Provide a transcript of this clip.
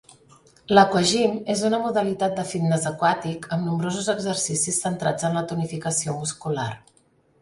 L'aquagym és una modalitat de fitness aquàtic amb nombrosos exercicis centrats en la tonificació muscular.